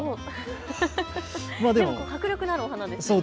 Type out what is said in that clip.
でも迫力のあるお花ですね。